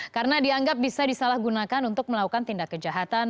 karena dianggap bisa disalahgunakan untuk melakukan tindak kejahatan